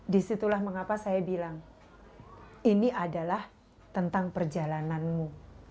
disitulah mengapa saya bilang ini adalah tentang perjalananmu